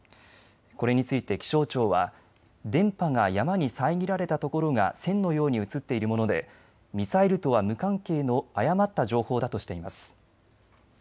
これについて気象庁は電波が山に遮られたところが線のように映っているものでミサイルとは無関係の誤った情報だとしています。